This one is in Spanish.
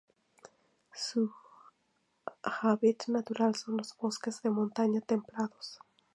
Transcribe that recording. Su hábitat natural son los bosques de montaña templados.